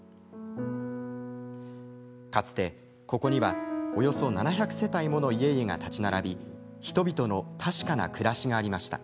かつて、ここにはおよそ７００世帯もの家々が建ち並び人々の確かな暮らしがありました。